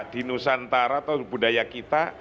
di nusantara atau budaya kita